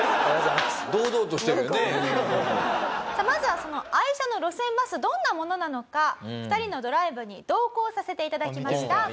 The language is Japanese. まずはその愛車の路線バスどんなものなのか２人のドライブに同行させていただきました。